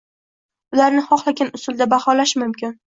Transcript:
Ularni xohlagan usulda baholash mumkin